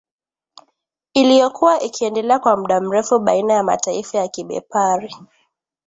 Iliyokuwa ikiendelea kwa muda mrefu baina ya mataifa ya Kibepari